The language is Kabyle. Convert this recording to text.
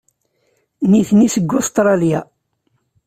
Nitni seg Ustṛalya.